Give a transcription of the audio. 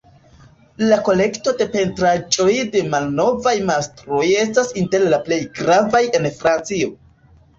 La kolekto de pentraĵoj de malnovaj mastroj estas inter la plej gravaj en Francio.